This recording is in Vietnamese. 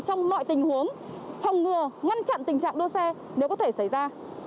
trong mọi tình huống phòng ngừa ngăn chặn tình trạng đua xe nếu có thể xảy ra